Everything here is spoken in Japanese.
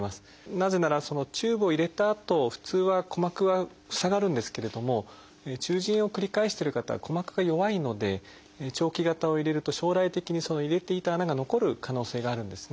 なぜならチューブを入れたあと普通は鼓膜は塞がるんですけれども中耳炎を繰り返してる方は鼓膜が弱いので長期型を入れると将来的にその入れていた穴が残る可能性があるんですね。